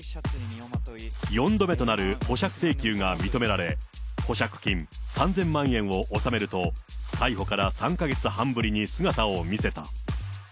４度目となる保釈請求が認められ、保釈金３０００万円を納めると、逮捕から３か月半ぶりに姿を見せた。